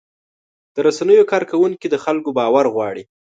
د رسنیو کارکوونکي د خلکو باور غواړي.